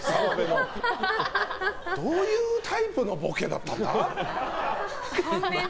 どういうタイプのボケだったんだ。